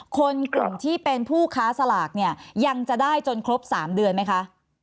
คนกลุ่มที่เป็นผู้ค้าสลากเนี่ยยังจะได้จนครบ๓เดือนไหมคะ